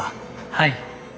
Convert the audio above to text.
はい。